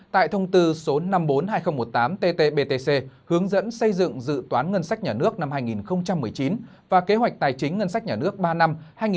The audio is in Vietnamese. tại thông tư số năm trăm bốn mươi hai nghìn một mươi tám tt btc hướng dẫn xây dựng dự toán ngân sách nhà nước năm hai nghìn một mươi chín và kế hoạch tài chính ngân sách nhà nước ba năm hai nghìn hai mươi một hai nghìn hai mươi